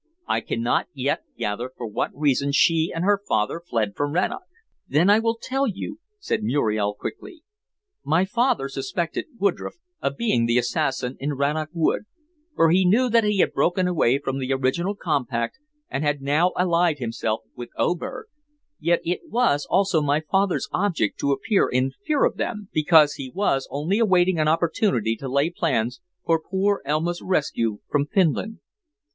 I cannot yet gather for what reason she and her father fled from Rannoch." "Then I will tell you," said Muriel quickly. "My father suspected Woodroffe of being the assassin in Rannoch Wood, for he knew that he had broken away from the original compact, and had now allied himself with Oberg. Yet it was also my father's object to appear in fear of them, because he was only awaiting an opportunity to lay plans for poor Elma's rescue from Finland.